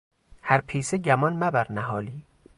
هر پیسه گمان مبر نهالی...